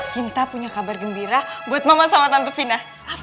kita punya kabar gembira buat mama sama tante fina